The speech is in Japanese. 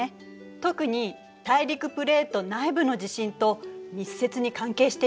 特に大陸プレート内部の地震と密接に関係しているの。